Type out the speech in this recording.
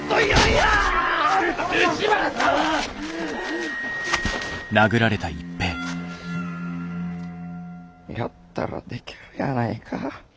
やったらできるやないか。